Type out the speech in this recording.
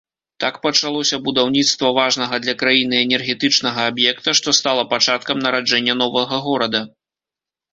Так пачалося будаўніцтва важнага для краіны энергетычнага аб'екта, што стала пачаткам нараджэння новага горада.